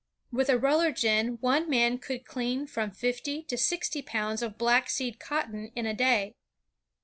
With a roller gin one man could clean from fifty to sixty pounds of black seed cotton in a day.